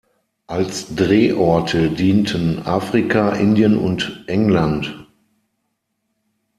Als Drehorte dienten Afrika, Indien und England.